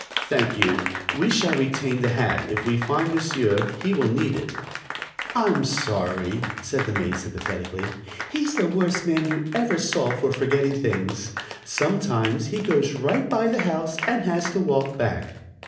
"Thank you; we shall retain the hat. If we find monsieur he will need it." "I'm sorry," said the maid sympathetically. "He's the worst man you ever saw for forgetting things. Sometimes he goes right by the house and has to walk back."